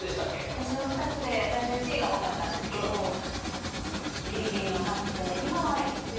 私は２つで最初にＣがわかったんですけどギリギリわかって。